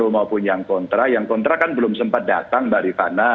maupun yang kontra yang kontra kan belum sempat datang mbak rifana